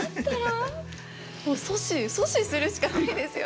もう阻止阻止するしかないですよね。